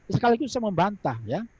sekali lagi saya membantah ya